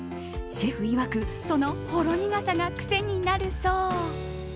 シェフいわく、そのほろ苦さが癖になるそう。